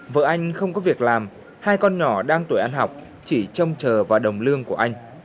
vợ anh không có việc làm hai con nhỏ đang tuổi ăn học chỉ trông chờ vào đồng lương của anh